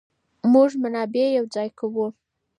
موږ منابع يو ځای کوو.